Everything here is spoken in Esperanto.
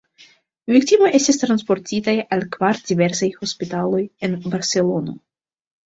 Viktimoj estis transportitaj al kvar diversaj hospitaloj en Barcelono.